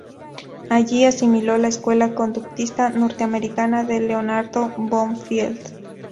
Allí asimiló la escuela conductista norteamericana de Leonard Bloomfield.